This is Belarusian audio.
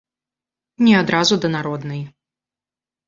Не адразу да народнай.